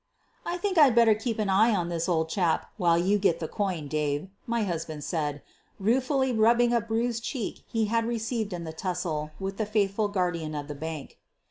"I think I'd better keep an eye on this old chap while you get the coin, Dave," my husband said, ruefully rubbing a bruised cheek he had received in the tussle with the faithful guardian of the bank.